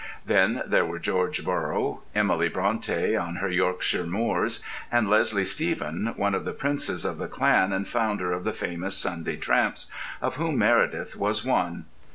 Then there were George Borrow, Emily Brontë on her Yorkshire moors, and Leslie Stephen, one of the princes of the clan and founder of the famous Sunday Tramps of whom Meredith was one.